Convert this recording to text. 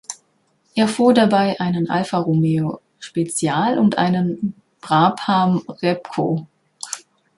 Er fuhr dabei einen Alfa Romeo Special und einen Brabham-Repco.